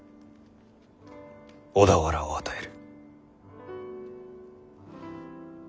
小田原を与える。